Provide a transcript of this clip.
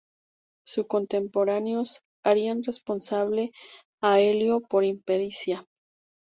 Sus contemporáneos harían responsable a Elío por impericia.